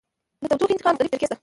د تودوخې د انتقال مختلفې طریقې شته.